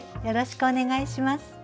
よろしくお願いします。